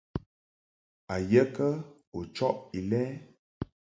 A ye kə u chɔʼ Ilɛ?